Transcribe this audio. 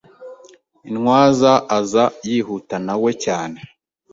Intwaza aza yihuta nawe cyane